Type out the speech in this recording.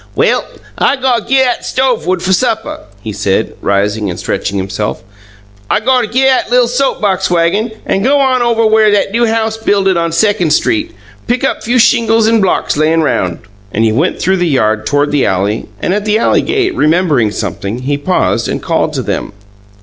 "Well, I got git 'at stove wood f' suppuh," he said, rising and stretching himself. "I got git 'at lil' soap box wagon, an' go on ovuh wheres 'at new house buil'in' on Secon' Street; pick up few shingles an' blocks layin' roun'." He went through the yard toward the alley, and, at the alley gate, remembering something, he paused and called to them.